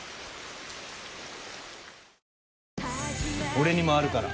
「俺にもあるから。